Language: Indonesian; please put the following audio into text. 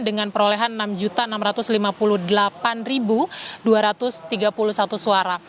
dengan perolehan enam enam ratus lima puluh delapan dua ratus tiga puluh satu suara